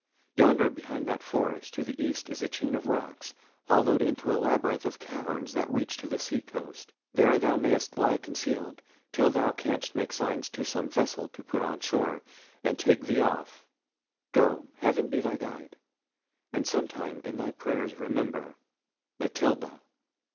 Yonder behind that forest to the east is a chain of rocks, hollowed into a labyrinth of caverns that reach to the sea coast. There thou mayst lie concealed, till thou canst make signs to some vessel to put on shore, and take thee off. Go! heaven be thy guide!—and sometimes in thy prayers remember—Matilda!"